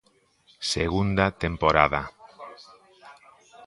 Segunda temporada.